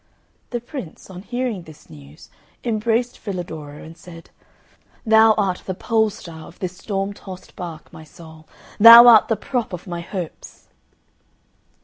The Prince, on hearing this news, embraced Filadoro and said, "Thou art the pole star of this storm tossed bark, my soul! Thou art the prop of my hopes."